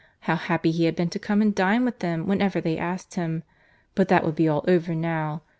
—How happy he had been to come and dine with them whenever they asked him! But that would be all over now.